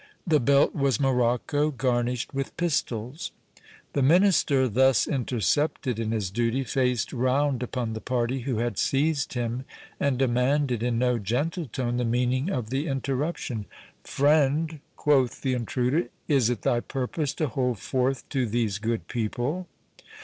The belt was morocco, garnished with pistols. The minister, thus intercepted in his duty, faced round upon the party who had seized him, and demanded, in no gentle tone, the meaning of the interruption. "Friend," quoth the intruder, "is it thy purpose to hold forth to these good people?"